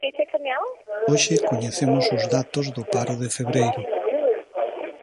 Hoxe coñecemos os datos do paro de febreiro.